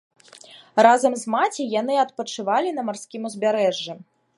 Разам з маці яны адпачывалі на марскім узбярэжжы.